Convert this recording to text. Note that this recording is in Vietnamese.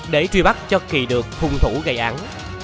để truy bắt cho kỳ được hung thủ gây án